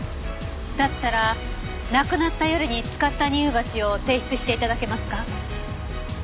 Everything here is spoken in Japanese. だったら亡くなった夜に使った乳鉢を提出して頂けますか？